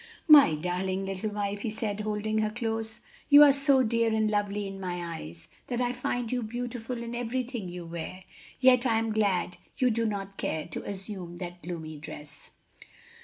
"My darling little wife!" he said, holding her close, "you are so dear and lovely in my eyes that I find you beautiful in everything you wear. Yet I am glad you do not care to assume that gloomy dress."